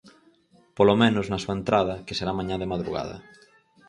Polo menos, na súa entrada, que será mañá de madrugada.